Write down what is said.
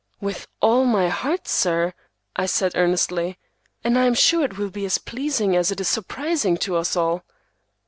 "With all my heart, sir," I said earnestly; "and I am sure it will be as pleasing as it is surprising to us all."